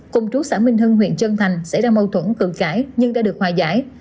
cùng chú xã minh hưng huyện trân thành sẽ đang mâu thuẫn cực cãi nhưng đã được hòa giải